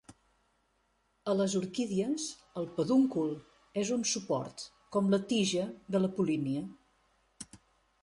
A les orquídies, el pedúncul és un suport, com la tija, de la polínia.